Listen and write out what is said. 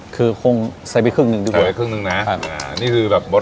คือคงใส่ไปครึ่งหนึ่งดีกว่าไปครึ่งหนึ่งนะครับอ่านี่คือแบบบด